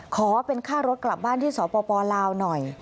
ขอเป็นค่ารถกลับบ้านที่สปลาวหน่อย